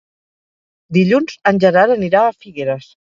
Dilluns en Gerard anirà a Figueres.